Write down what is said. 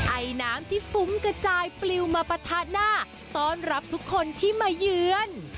ไอน้ำที่ฟุ้งกระจายปลิวมาปะทะหน้าต้อนรับทุกคนที่มาเยือน